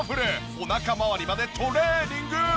おなかまわりまでトレーニング。